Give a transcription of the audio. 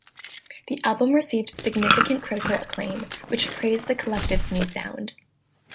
The album received significant critical acclaim, which praised the collective's new sound.